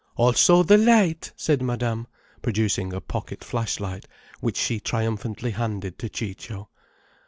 "Also the light!" said Madame, producing a pocket flash light, which she triumphantly handed to Ciccio.